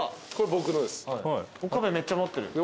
岡部めっちゃ持ってる。